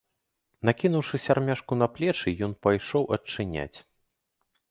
Накінуўшы сярмяжку на плечы, ён пайшоў адчыняць.